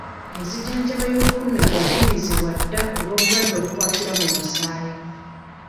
Enzijanjaba ey'okulumika yadibizibwa dda olw'obulwadde obukwatira mu musaayi.